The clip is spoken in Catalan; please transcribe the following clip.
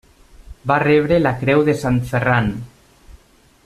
Va rebre la creu de Sant Ferran.